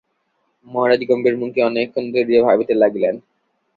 মহারাজ গম্ভীরমুখে অনেক ক্ষণ ধরিয়া ভাবিতে লাগিলেন।